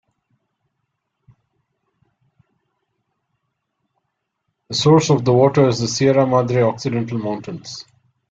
The source of the water is the Sierra Madre Occidental mountains.